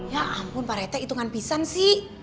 ya ampun parete itungan pisan sih